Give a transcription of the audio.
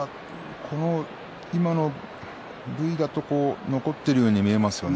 今のＶＴＲだと残っているように見えますよね。